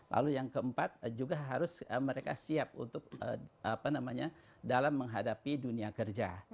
lalu yang keempat juga harus mereka siap untuk dalam menghadapi dunia kerja